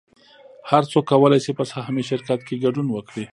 هر څوک کولی شي په سهامي شرکت کې ګډون وکړي